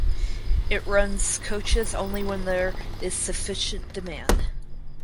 It runs coaches only when there is sufficient demand.